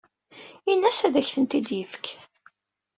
Ini-as ad ak-ten-id-yefk.